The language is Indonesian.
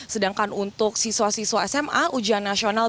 sedangkan untuk siswa siswa sma ujian nasional